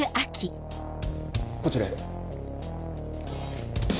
こちらへ。